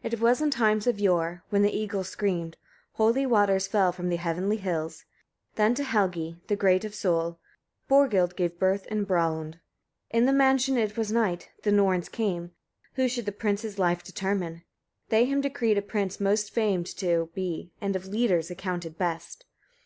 1. It was in times of yore, when the eagles screamed, holy waters fell from the heavenly hills; then to Helgi, the great of soul, Borghild gave birth in Bralund. 2. In the mansion it was night: the Norns came, who should the prince's life determine. They him decreed a prince most famed to be, and of leaders accounted best.